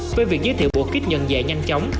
với việc giới thiệu bộ kích nhận dạy nhanh chóng